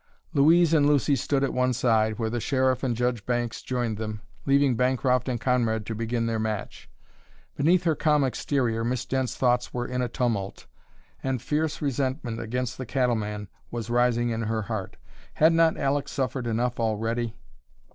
Louise and Lucy stood at one side, where the Sheriff and Judge Banks joined them, leaving Bancroft and Conrad to begin their match. Beneath her calm exterior Miss Dent's thoughts were in a tumult, and fierce resentment against the cattleman was rising in her heart. Had not Aleck suffered enough already?